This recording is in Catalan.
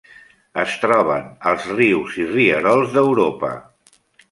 Es troben als rius i rierols d'Europa.